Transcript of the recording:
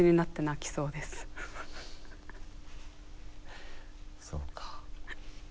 そうか。